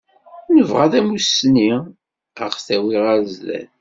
Nebɣa tamussni aɣ-tawi ar sdat.